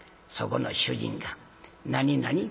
そこの主人が「何何？